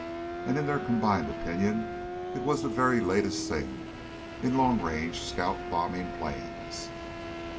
And in their combined opinion it was the very latest thing in long range scout bombing planes.